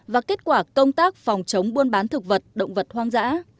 và kết quả công tác phòng chống buôn bán thực vật động vật hoang dã